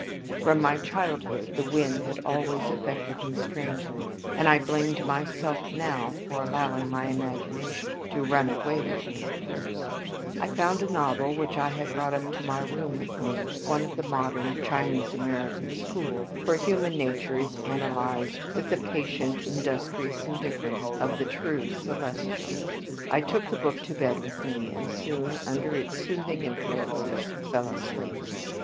From my childhood the wind had always affected me strangely, and I blamed myself now for allowing my imagination to run away with me at the first. I found a novel which I had brought up to my room with me, one of the modern, Chinese American school, where human nature is analyzed with the patient, industrious indifference of the true Celestial. I took the book to bed with me, and soon under its soothing influences fell asleep.